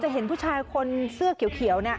เห็นผู้ชายคนเสื้อเขียวเนี่ย